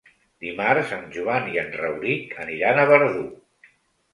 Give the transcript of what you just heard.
Dimarts en Joan i en Rauric aniran a Verdú.